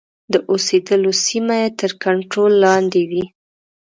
د اوسېدلو سیمې یې تر کنټرول لاندي وې.